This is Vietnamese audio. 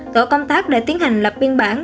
tổ công tác đã tiến hành lập biên bản